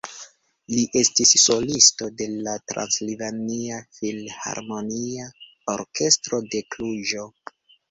Li estis solisto de la Transilvania Filharmonia Orkestro de Kluĵo.